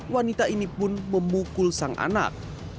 wanita ini pun memukul sang anak